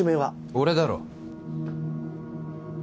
俺だろ？